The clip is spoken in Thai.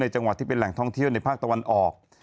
จังหวัดที่เป็นแหล่งท่องเที่ยวในภาคตะวันออก